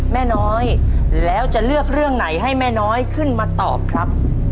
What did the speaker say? แม่น้อยแล้วจะเลือกเรื่องไหนให้แม่น้อยขึ้นมาตอบครับ